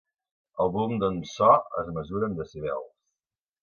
El volum d'un so es mesura en decibels.